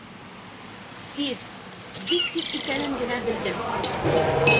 Тиҙ, бик тиҙ икәнен генә белдем.